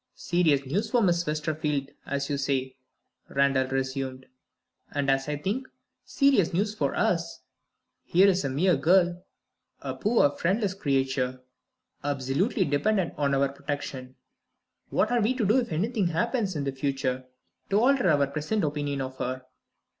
"Serious news for Miss Westerfield, as you say," Randal resumed. "And, as I think, serious news for us. Here is a mere girl a poor friendless creature absolutely dependent on our protection. What are we to do if anything happens, in the future, to alter our present opinion of her?"